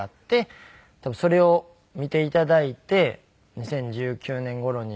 それを見て頂いて２０１９年頃に。